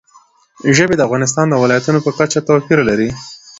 ژبې د افغانستان د ولایاتو په کچه توپیر لري.